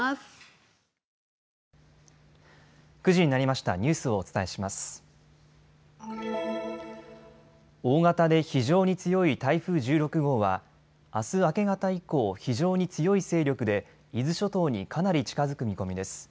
大型で非常に強い台風１６号はあす明け方以降、非常に強い勢力で伊豆諸島にかなり近づく見込みです。